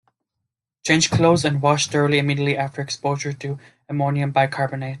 Change clothes and wash thoroughly immediately after exposure to Ammonium Bicarbonate.